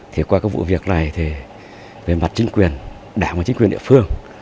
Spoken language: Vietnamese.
thì qua cái vụ việc này thì về mặt chính quyền đảng và chính quyền địa phương